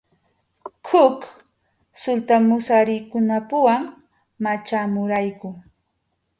Huk sultarumasikunapuwan machamurayku.